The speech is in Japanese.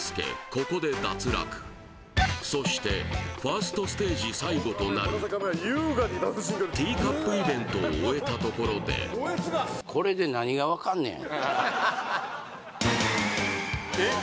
ここで脱落そしてファーストステージ最後となるティーカップイベントを終えたところでえっ？